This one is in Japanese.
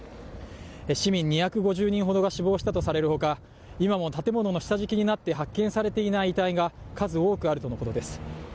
市民２５０人ほどが死亡したとされるほか今も建物の下敷きになって発見されていない遺体が数多くあるとのことです。